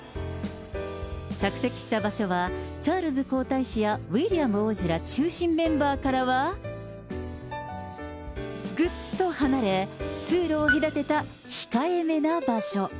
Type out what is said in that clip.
着席した場所は、チャールズ皇太子や、ウィリアム王子ら中心メンバーからは、ぐっと離れ、通路を隔てた控えめな場所。